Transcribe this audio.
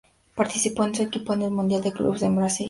Participó con su equipo en el Mundial de Clubes en Brasil.